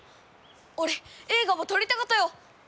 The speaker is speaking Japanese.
俺映画ば撮りたかとよ！